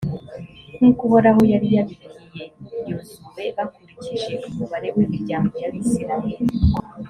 nk’uko uhoraho yari yabibwiye yozuwe, bakurikije umubare w’imiryango y’abayisraheli